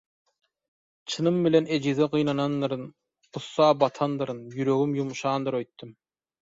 Çynym bilen ejize gynanandyryn, gussa batandyryn, ýüregim ýumşandyr öýtdüm.